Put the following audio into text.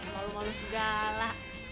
mau lu ngeluh segala